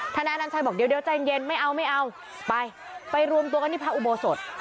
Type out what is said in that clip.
นายอนัญชัยบอกเดี๋ยวใจเย็นไม่เอาไม่เอาไปไปรวมตัวกันที่พระอุโบสถ